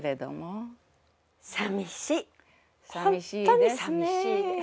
本当に寂しいです。